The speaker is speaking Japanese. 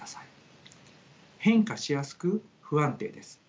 変化しやすく不安定です。